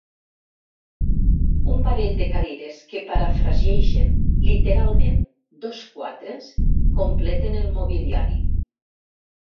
Un parell de cadires que parafrasegen literalment dos quatres completen el mobiliari.